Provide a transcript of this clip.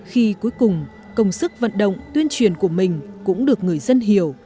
khi cuối cùng công sức vận động tuyên truyền của mình cũng được người dân hiểu